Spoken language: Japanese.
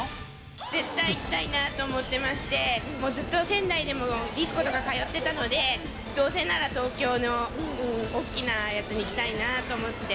絶対行きたいなと思ってまして、もうずっと仙台でもディスコとか通ってたので、どうせなら東京の大きなやつに行きたいなと思って。